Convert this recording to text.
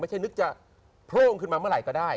นึกจะโพร่งขึ้นมาเมื่อไหร่ก็ได้